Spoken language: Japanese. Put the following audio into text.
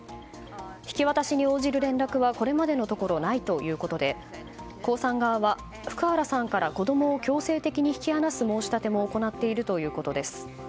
引き渡しに応じる連絡はこれまでのところないということで江さん側は、福原さんから子供を強制的に引き離す申し立ても行っているということです。